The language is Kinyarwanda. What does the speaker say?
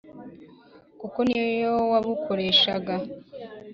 kuko ni yo wabukoreshaga